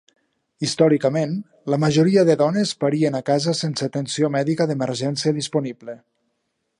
Històricament, la majoria de dones parien a casa sense atenció mèdica d'emergència disponible.